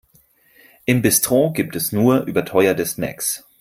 Im Bistro gibt es nur überteuerte Snacks.